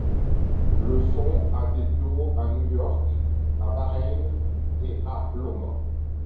Le fond a des bureaux à New York, à Bahreïn et à Londres.